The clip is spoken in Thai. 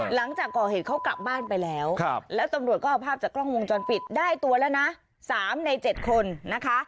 หลังจากก่อเหตุเขากลับบ้านไปแล้วแล้วตำรวจก็เอาภาพจากกล้องวงจรปิดได้ตัวแล้วนะ๓ใน๗คนนะคะ